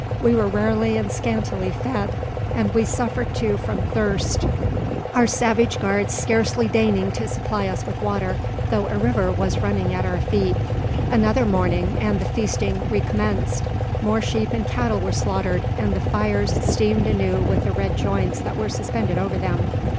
We were rarely and scantily fed; and we suffered, too, from thirst, our savage guards scarcely deigning to supply us with water, though a river Was running at our feet. Another morning, and the feasting recommenced. More sheep and cattle were slaughtered, and the fires steamed anew with the red joints that were suspended over them.